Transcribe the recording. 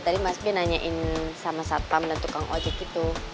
tadi mas b nanyain sama satpam dan tukang ojek itu